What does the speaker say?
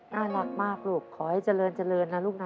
น่ารักมากลูกขอให้เจริญเจริญนะลูกนะ